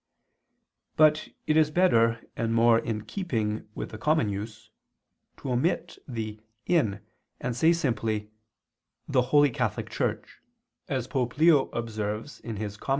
But it is better and more in keeping with the common use, to omit the 'in,' and say simply, "the holy Catholic Church," as Pope Leo [*Rufinus, Comm.